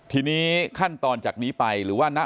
ทีนี้ขั้นตอนจากนี้ไป